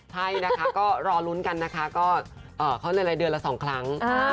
ใช่นะคะก็รอลุ้นกันนะคะเข้าในรายเดือนละ๒ครั้ง